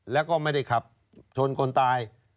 แล้วก็ไม่ได้ขับชนคนตาย